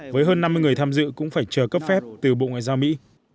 với hơn năm mươi người tham dự cũng phải chờ cấp phép từ bộ ngoại giao mỹ